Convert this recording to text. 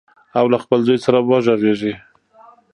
او له خپل زوی سره وغږیږي.